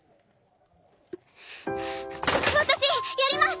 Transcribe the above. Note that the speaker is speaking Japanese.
私やります！